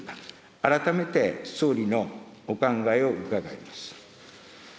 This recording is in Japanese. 改めて総理のお考えを伺います。